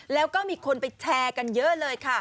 แล้วก็มีคนไปแชร์กันเยอะเลยค่ะ